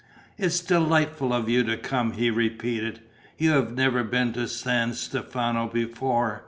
"It's delightful of you to come!" he repeated. "You have never been to San Stefano before?